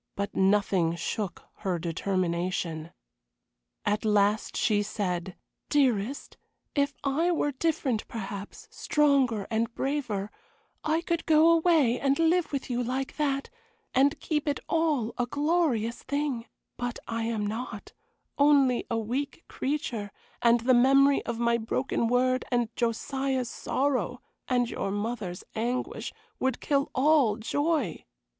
But nothing shook her determination. At last she said: "Dearest, if I were different perhaps, stronger and braver, I could go away and live with you like that, and keep it all a glorious thing; but I am not only a weak creature, and the memory of my broken word, and Josiah's sorrow, and your mother's anguish, would kill all joy.